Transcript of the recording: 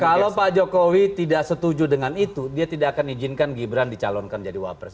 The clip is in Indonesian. kalau pak jokowi tidak setuju dengan itu dia tidak akan izinkan gibran dicalonkan jadi wapres